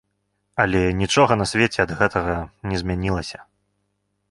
Але нічога на свеце ад гэтага не змянілася.